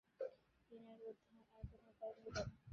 বিনয়ের উদ্ধারের আর কোনো উপায় রহিল না।